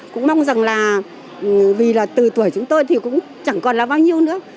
cũng mong rằng là vì là từ tuổi chúng tôi thì cũng chẳng còn là bao nhiêu nữa